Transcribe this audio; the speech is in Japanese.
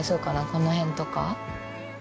この辺とか。